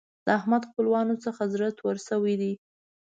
د احمد له خپلوانو څخه زړه تور شوی دی.